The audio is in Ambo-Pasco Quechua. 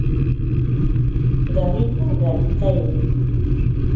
Qaripa qarikaynin